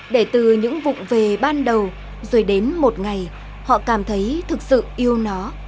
để từ những vụn về ban đầu rồi đến một ngày họ cảm thấy thực sự yêu nó